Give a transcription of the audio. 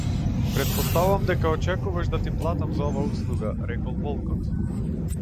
Претпоставувам дека очекуваш да ти платам за оваа услуга, рекол волкот.